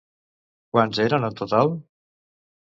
Quants eren en total?